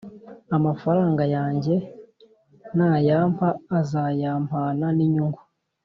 Amafaranga yanjye nayampa azayampana n’inyungu